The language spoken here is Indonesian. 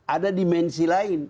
ada dimensi lain